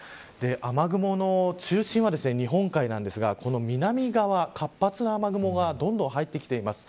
雨雲の中心は日本海ですが南側に活発な雨雲が入ってきています。